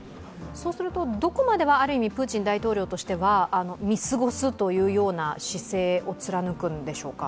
そうすると、どこまである意味、プーチン大統領としては見過ごすというような姿勢を貫くんでしょうか。